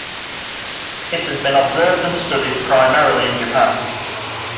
It has been observed and studied primarily in Japan.